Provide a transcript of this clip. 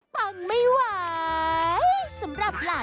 โปรดติดตามตอนต่อไป